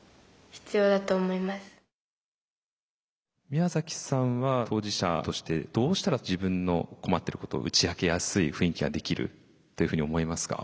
宮さんは当事者としてどうしたら自分の困ってることを打ち明けやすい雰囲気ができるというふうに思いますか？